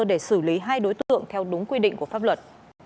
để xử lý hai đối tượng theo đúng quy định của pháp luật